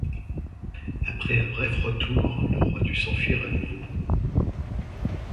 Après un bref retour, le roi dut s'enfuir à nouveau.